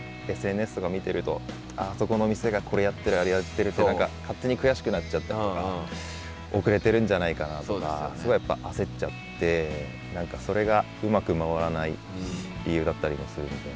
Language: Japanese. ＳＮＳとか見てるとあそこのお店がこれやってるあれやってるって何か勝手に悔しくなっちゃったりとか遅れてるんじゃないかなとかすごいやっぱ焦っちゃってそれがうまく回らない理由だったりもするんで。